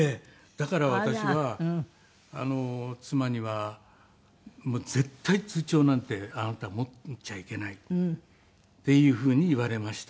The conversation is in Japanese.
だから私は妻には「絶対通帳なんてあなた持っちゃいけない」っていうふうに言われました。